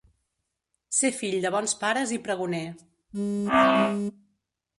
Ser fill de bons pares i pregoner.